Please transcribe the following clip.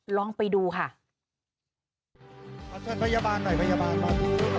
ลองไปดูค่ะขอเชิญพยาบาลหน่อยพยาบาลบ้าง